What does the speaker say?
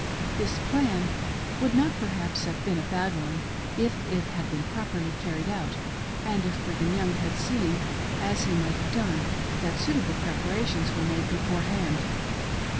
This "plan" would not perhaps have been a bad one if it had been properly carried out, and if Brigham Young had seen, as he might have done, that suitable preparations were made beforehand.